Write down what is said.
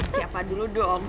siapa dulu dong